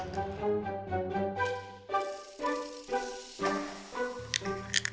pakin aja lagi air putih